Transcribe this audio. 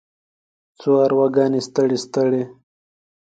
څو ارواګانې ستړې، ستړې